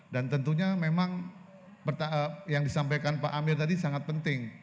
dan tentunya memang yang disampaikan pak amir tadi sangat penting